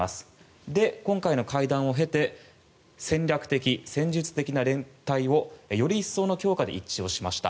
そして、今回の会談を経て戦略的・戦術的な連帯をより一層な強化で一致しました。